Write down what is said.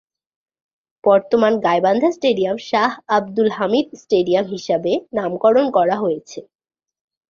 বর্তমান গাইবান্ধা স্টেডিয়াম "শাহ আবদুল হামিদ স্টেডিয়ামে" হিসাবে নামকরণ করা হয়েছে।